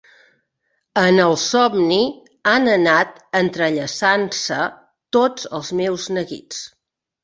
En el somni han anat entrellaçant-se tots els meus neguits.